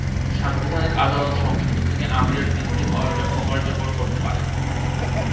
সাংবিধানিক আদালত সংসদ ভেঙে আমিরের ডিক্রি অকার্যকর করতে পারে।